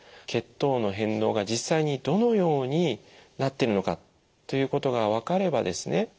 血糖の変動が実際にどのようになってるのかということが分かればですね